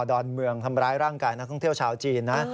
อนเมืองทำร้ายร่างกายนักท่องเที่ยวชาวจีนนะ